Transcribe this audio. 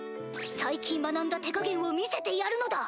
最近学んだ手加減を見せてやるのだ。